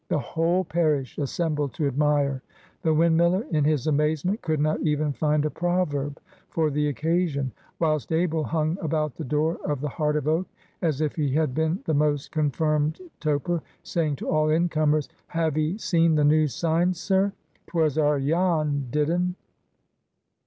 The whole parish assembled to admire. The windmiller, in his amazement, could not even find a proverb for the occasion, whilst Abel hung about the door of the Heart of Oak, as if he had been the most confirmed toper, saying to all incomers, "Have 'ee seen the new sign, sir? 'Twas our Jan did un."